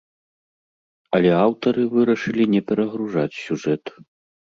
Але аўтары вырашылі не перагружаць сюжэт.